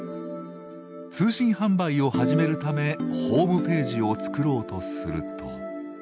通信販売を始めるためホームページを作ろうとすると。